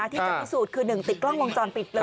ที่จะพิสูจน์คือ๑ติดกล้องวงจรปิดเลย